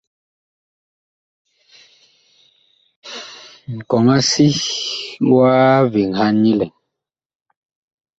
Nkɔŋ-a-si wa veŋhan nyi lɛn nyi.